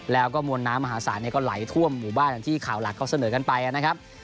แล้วก็มวลน้ำมหาศาลก็ไหลท่วมหมู่บ้านอย่างที่ข่าวหลักเขาเสนอกันไปนะครับ